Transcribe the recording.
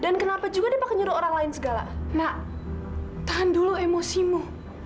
nak tahan dulu emosimu